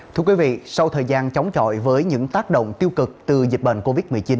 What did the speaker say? thưa quý vị sau thời gian chống chọi với những tác động tiêu cực từ dịch bệnh covid một mươi chín